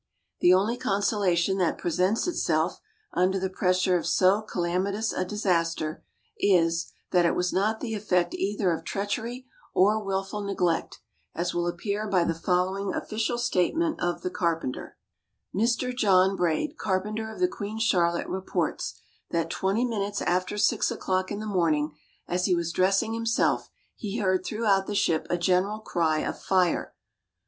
The only consolation that presents itself under the pressure of so calamitous a disaster is, that it was not the effect either of treachery or wilful neglect, as will appear by the following official statement of the carpenter: "Mr. John Braid, carpenter of the Queen Charlotte, reports, that twenty minutes after 6 o'clock in the morning, as he was dressing himself he heard throughout the ship a general cry of 'fire.'